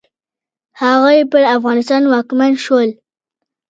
هغوی پر افغانستان واکمن شول.